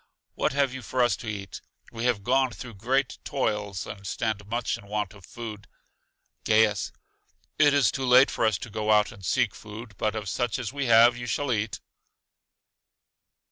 What have you for us to eat? We have gone through great toils, and stand much in want of food. Gaius: It is too late for us to go out and seek food; but of such as we have you shall eat.